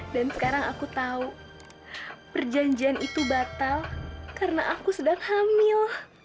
dan sekarang aku tahu perjanjian itu batal karena aku sedang hamil